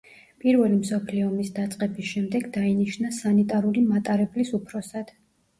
პირველი მსოფლიო ომის დაწყების შემდეგ დაინიშნა სანიტარული მატარებლის უფროსად.